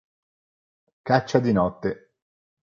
Caccia di notte.